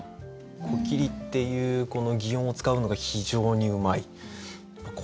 「こきり」っていうこの擬音を使うのが非常にうまい。